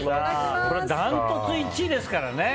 ダントツ１位ですからね